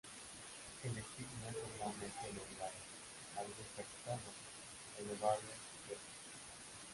El estigma es normalmente lobulado, a veces capitado; el ovario súpero.